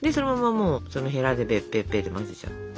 もうそのヘラでぺっぺっぺっと混ぜちゃって。